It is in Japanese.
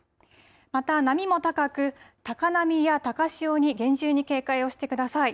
また波も高く、高波や高潮に厳重に警戒をしてください。